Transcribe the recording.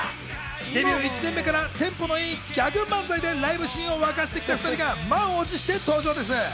デビュー１年目からテンポの良いギャグ漫才でライブシーンをわかせてきた２人が満を持して登場です。